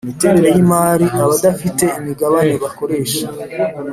imiterere y imari abafite imigabane bakoresha